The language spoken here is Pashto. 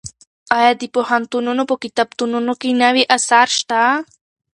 ایا د پوهنتونونو په کتابتونونو کې نوي اثار شته؟